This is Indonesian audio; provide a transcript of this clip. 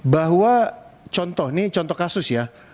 bahwa contoh ini contoh kasus ya